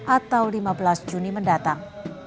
atau lima belas juni mendatang